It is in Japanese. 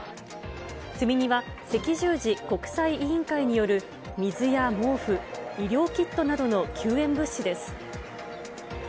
積み荷は赤十字国際委員会による水や毛布、医療キットなどの救援物資です。